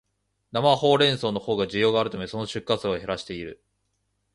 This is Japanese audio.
生ホウレンソウのほうが需要があるため、その出荷数を減らしている